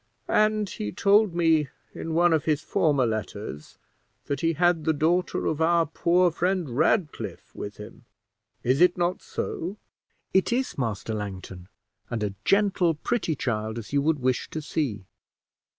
"And he told me in one of his former letters that he had the daughter of our poor friend Ratcliffe with him. Is it not so?" "It is, Master Langton; and a gentle, pretty child as you would wish to see."